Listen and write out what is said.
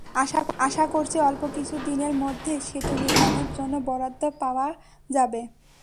আশা করছি, অল্প কিছু দিনের মধ্যেই সেতু নির্মাণে জন্য বরাদ্দ পাওয়া যাবে।